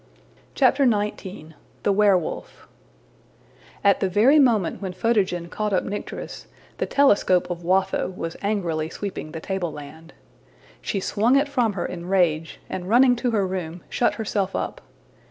XIX. The Werewolf AT the very moment when Photogen caught up Nycteris, the telescope of Watho was angrily sweeping the tableland. She swung it from her in rage and, running to her room, shut herself up.